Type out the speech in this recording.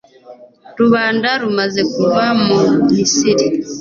rubanda rumaze kuva mu misiri